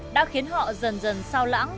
đã khiến họ dần dần sao lãng